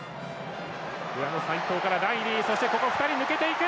裏の齋藤からライリーそして、ここ２人抜けていく。